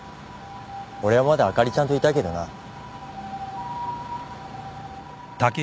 俺はまだあかりちゃんといたいけどな。